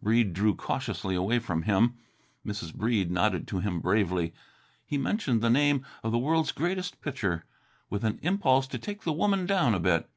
Breede drew cautiously away from him. Mrs. Breede nodded to him bravely. He mentioned the name of the world's greatest pitcher, with an impulse to take the woman down a bit.